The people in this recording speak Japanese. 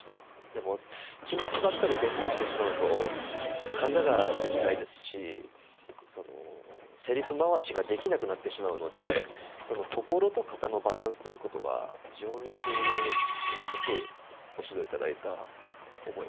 でも気持ちばっかり先行してしまうと型ができないですしセリフ回しができなくなってしまうので心と型のバランスということは非常にこう細かくご指導いただいた覚えがあります。